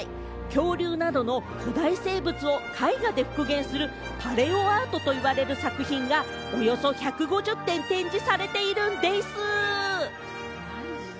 恐竜などの古代生物を絵画で復元するパレオアートと言われる作品がおよそ１５０点展示されているらしいんでぃす！